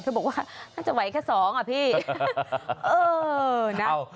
เธอบอกว่าน่าจะไหวแค่๒อ่ะพี่เออนะ